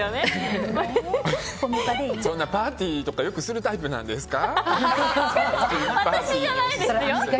そんなパーティーとかよくするタイプなんですか？